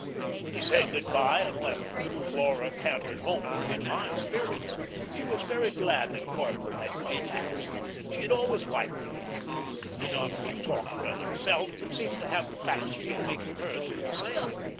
He said good by and left her, and Laura cantered homeward in high spirits. She was very glad that Corthell had come back. She had always liked him. He not only talked well himself, but seemed to have the faculty of making her do the same.